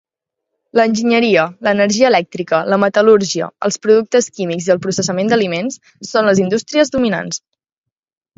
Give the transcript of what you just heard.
L'enginyeria, l'energia elèctrica, la metal·lúrgia, els productes químics i el processament d'aliments són les indústries dominants.